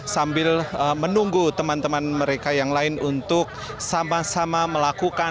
sambil menunggu teman teman mereka yang lain untuk sama sama melakukan